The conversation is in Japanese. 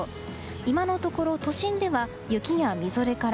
今のところ、都心では雪やみぞれから